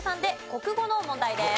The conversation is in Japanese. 国語の問題です。